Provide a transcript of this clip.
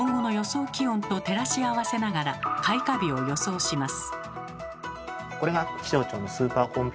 気温と照らし合わせながら開花日を予想します。